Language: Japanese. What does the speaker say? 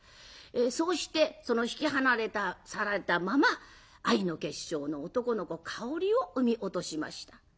そうして引き離されたまま愛の結晶の男の子香織を産み落としました。